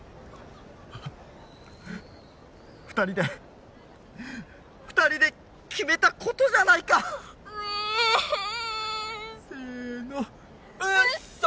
２人で２人で決めたことじゃないかうえんせーのウッソ！